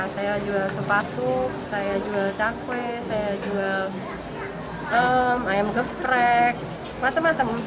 saya jual sepasuk saya jual cakwe saya jual ayam geprek macam macam